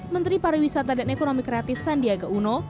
menteri pariwisata dan ekonomi kreatif sandiaga uno